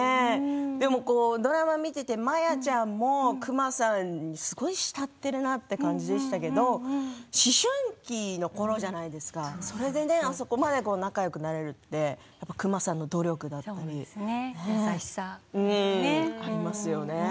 でもドラマを見ていてマヤちゃんもクマさんにすごく慕っているなという感じでしたけど思春期のころじゃないですかそれであそこまで仲よくなれるってクマさんの努力もありますよね。